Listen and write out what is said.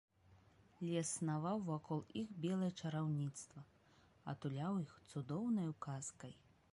Лес снаваў вакол іх белае чараўніцтва, атуляў іх цудоўнаю казкай.